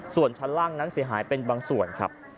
ส่วนชั้นล่างนั้นเสียหายเป็นบางส่วนครับ